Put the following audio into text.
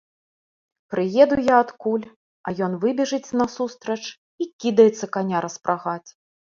Прыеду я адкуль, а ён выбежыць насустрач і кідаецца каня распрагаць.